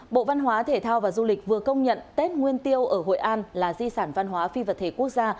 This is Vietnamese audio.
bộ văn hóa thể thao và du lịch vừa công nhận tết nguyên tiêu ở hội an là di sản văn hóa phi vật thể quốc gia